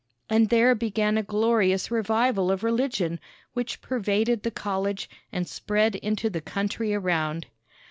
And there began a glorious revival of religion, which pervaded the college, and spread into the country around.